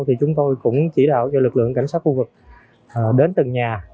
thì chúng tôi cũng chỉ đạo cho lực lượng cảnh sát khu vực đến từng nhà